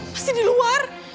masih di luar